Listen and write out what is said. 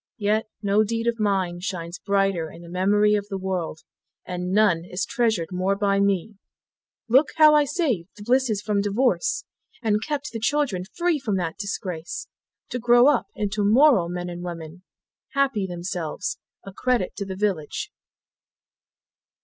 Yet no deed of mine Shines brighter in the memory of the world, And none is treasured more by me: Look how I saved the Blisses from divorce, And kept the children free from that disgrace, To grow up into moral men and women, Happy themselves, a credit to the village.